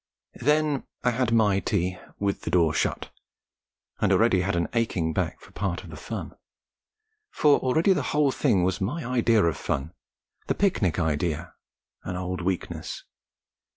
Then I had my tea with the door shut and already an aching back for part of the fun. For already the whole thing was my idea of fun the picnic idea an old weakness.